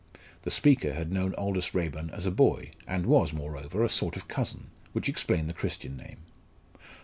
The speaker had known Aldous Raeburn as a boy, and was, moreover, a sort of cousin, which explained the Christian name.